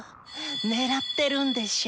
狙ってるんでしょ？